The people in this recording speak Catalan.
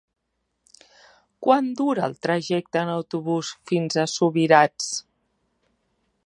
Quant dura el trajecte en autobús fins a Subirats?